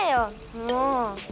もう。